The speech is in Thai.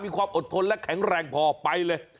ความอดทนและแข็งแรงพอไปเลย